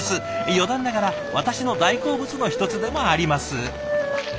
余談ながら私の大好物の一つでもあります。